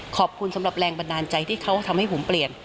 สำหรับแรงบันดาลใจที่เขาทำให้ผมเปลี่ยน